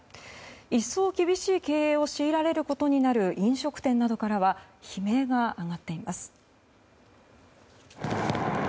一層厳しい経営を強いられることになる飲食店などからは悲鳴が上がっています。